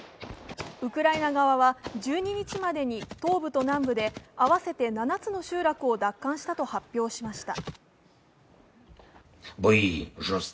ウクライナ側は１２日までに東部と南部で合わせて７つの集落を奪還したと発表しました。